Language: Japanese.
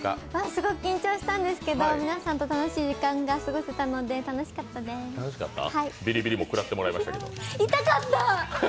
すごく緊張したんですけど皆さんと楽しい時間が過ごせたのでビリビリも食らってもらいましたけど。